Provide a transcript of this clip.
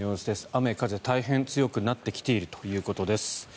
雨風、大変強くなってきているということです。